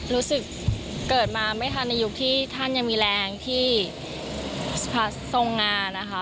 รู้สึกเกิดมาไม่ทันในยุคที่ท่านยังมีแรงที่พระทรงงานนะคะ